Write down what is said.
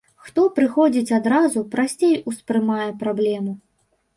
Хто прыходзіць адразу, прасцей успрымае праблему.